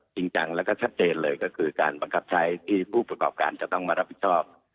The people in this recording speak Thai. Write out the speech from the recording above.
จริงจังแล้วก็ชัดเจนเลยก็คือการบังคับใช้ที่ผู้ประกอบการจะต้องมารับผิดชอบ